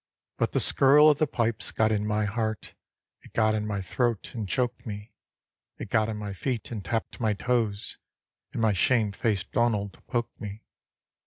But the skirl o' the pipes got in my heart, It got in my throat and choked me, It got in my feet, and tapped my toes, And my shame faced Donald poked me.